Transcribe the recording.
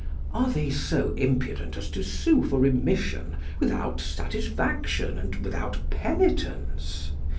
Are they so impudent as to sue for remission without satisfaction and without penitence?